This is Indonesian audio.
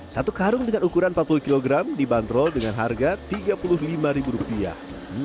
satu karung dengan ukuran empat puluh kg dibanderol dengan harga tiga puluh lima ribu rupiah